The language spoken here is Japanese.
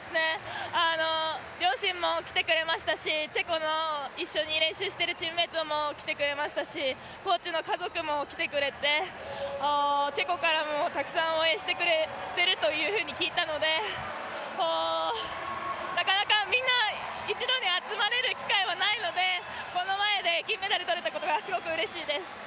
両親も来てくれましたしチェコの一緒に練習しているチームメイトも来てくれましたし、コーチの家族も来てくれてチェコからもたくさん応援してくれてるというふうに聞いたのでなかなかみんな一堂に集まれる機会はないのでこの前で金メダルとれたことがすごくうれしいです。